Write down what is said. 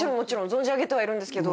存じ上げてはいるんですけど。